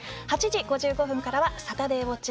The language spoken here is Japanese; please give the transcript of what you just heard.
８時５５分からは「サタデーウオッチ９」。